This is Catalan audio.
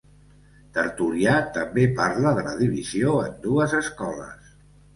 Tertulià també parla de la divisió en dues escoles.